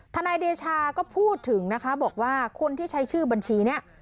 นายเดชาก็พูดถึงนะคะบอกว่าคนที่ใช้ชื่อบัญชีเนี่ย